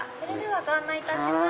ご案内いたします。